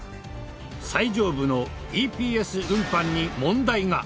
最上部のＥＰＳ運搬に問題が。